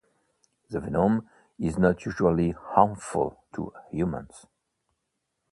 The venom is not usually harmful to humans.